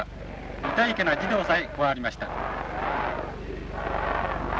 いたいけな児童さえ加わりました」。